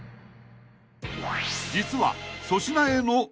［実は］